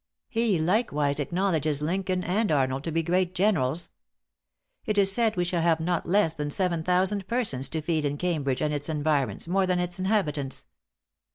He likewise acknowledges Lincoln and Arnold to be great generals. It is said we shall have not less than seven thousand persons to feed in Cambridge and its environs, more than its inhabitants.